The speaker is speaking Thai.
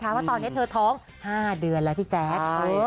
ว่าตอนนี้เธอท้อง๕เดือนแล้วพี่แจ๊ค